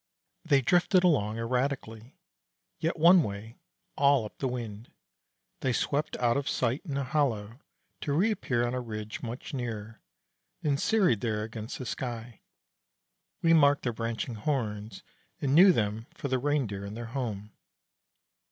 They drifted along erratically, yet one way, all up the wind. They swept out of sight in a hollow, to reappear on a ridge much nearer, and serried there against the sky, we marked their branching horns, and knew them for the Reindeer in their home.